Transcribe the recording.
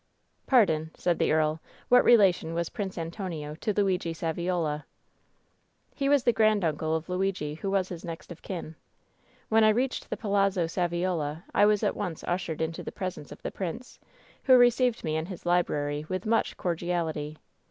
"Pardon," said the earl ; "what relation was Prince Antonio to Luigi Saviola ?" "He was the granduncle of Luigi, who was his next of kin. When I reached the Palazzo Saviola I was at once ushered into the presence of the prince, who re ceived me in his library with much cordiality.